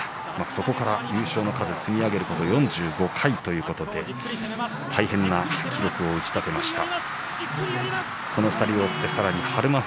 そこから優勝の数を積み上げること４５回大変な記録を打ちたてました。